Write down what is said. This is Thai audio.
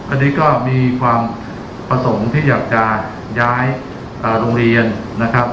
อันนี้ก็มีความประสงค์ที่อยากจะย้ายโรงเรียนนะครับ